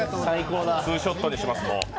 ツーショットにします。